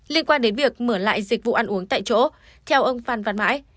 liên quan đến việc mở lại dịch vụ ăn uống tại chỗ theo ông phan văn mãi